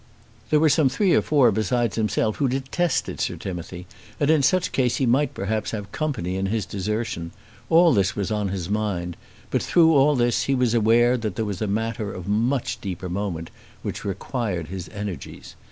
There were some three or four besides himself who detested Sir Timothy, and in such case he might perhaps have company in his desertion. All this was on his mind; but through all this he was aware that there was a matter of much deeper moment which required his energies.